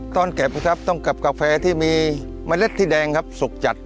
ต้องเก็บกาแฟที่มีเมล็ดที่แดงสุกจัด